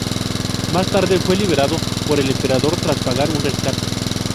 Más tarde fue liberado por el Emperador tras pagar un rescate.